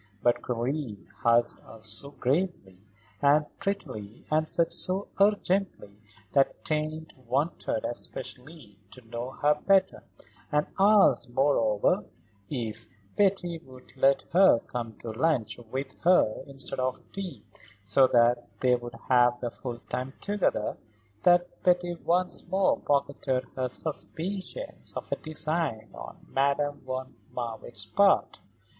But Karen asked her so gravely and prettily and said so urgently that Tante wanted especially to know her better, and asked, moreover, if Betty would let her come to lunch with her instead of tea, so that they should have their full time together, that Betty once more pocketed her suspicions of a design on Madame von Marwitz's part.